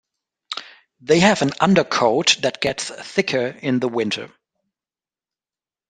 They have an undercoat that gets thicker in the winter.